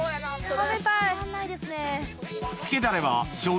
食べたい。